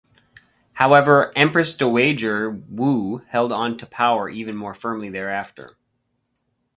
However, Empress Dowager Wu held onto power even more firmly thereafter.